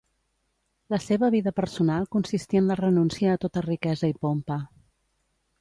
La seva vida personal consistí en la renúncia a tota riquesa i pompa.